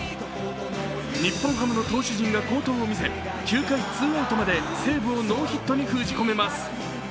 日本ハムの投手陣が好投を見せ、９回ツーアウトまで西武をノーヒットに封じ込めます。